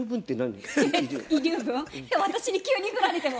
私に急に振られても。